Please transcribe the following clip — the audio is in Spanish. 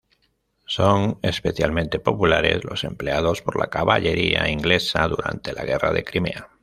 Son especialmente populares los empleados por la caballería inglesa durante la Guerra de Crimea.